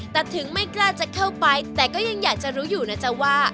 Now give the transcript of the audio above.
แต่ถึงไม่กล้าจะเข้าไปแต่ก็ยังอยากจะรู้อยู่นะจ๊ะว่า